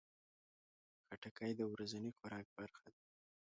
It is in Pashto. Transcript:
خټکی د ورځني خوراک برخه ده.